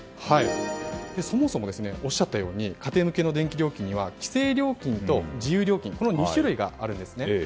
そもそも、おっしゃったように家庭向けの電気料金には規制料金と自由料金の２種類があるんですね。